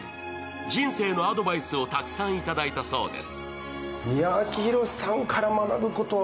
人生のアドバイスをたくさん頂いたそうです。